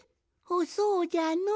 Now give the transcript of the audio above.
そうじゃのう。